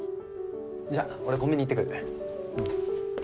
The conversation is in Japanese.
じゃっ俺コンビニ行ってくるうん